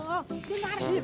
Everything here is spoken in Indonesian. eh ini kita di sini